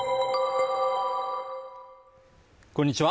こんにちは